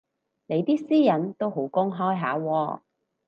你啲私隱都好公開下喎